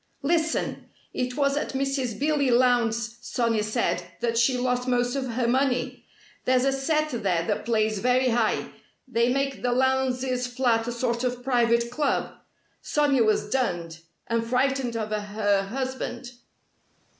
Listen! It was at Mrs. Billy Lowndes', Sonia said, that she lost most of her money. There's a set there that plays very high. They make the Lowndes' flat a sort of private club. Sonia was dunned and frightened of her husband.